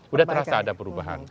udah terasa ada perubahan